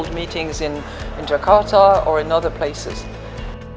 dan mungkin akan menjalankan pernikahan di jakarta